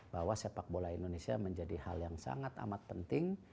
bahwa sepak bola indonesia menjadi hal yang sangat amat penting